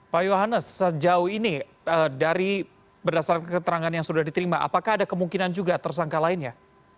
pak yohanes sejauh ini dari berdasarkan keterangan yang sudah diterima apakah ada kemungkinan juga tersangka lainnya